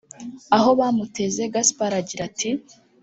Ahobamuteze Gaspard agira ati